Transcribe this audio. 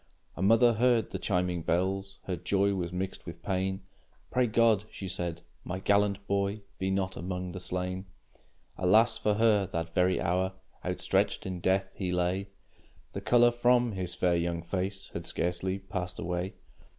A mother heard the chiming bells; Her joy was mixed with pain. "Pray God," she said, "my gallant boy Be not among the slain!" Alas for her! that very hour Outstretched in death he lay, The color from his fair, young face Had scarcely passed away.